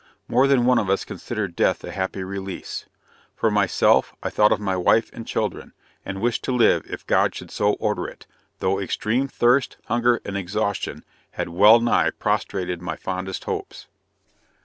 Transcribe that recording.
More than one of us considered death a happy release. For myself I thought of my wife and children; and wished to live if God should so order it, though extreme thirst, hunger and exhaustion had well nigh prostrated my fondest hopes.